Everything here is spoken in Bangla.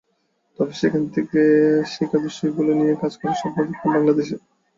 তবে সেখান থেকে শেখা বিষয়গুলো নিয়ে কাজ করার স্বপ্ন দেখতাম বাংলাদেশে।